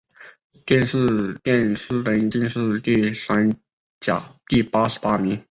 殿试登进士第三甲第八十八名。